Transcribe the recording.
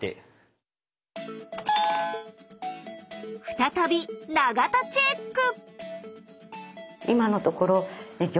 再び永田チェック！